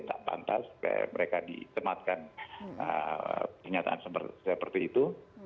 tak pantas mereka ditematkan kenyataan seperti itu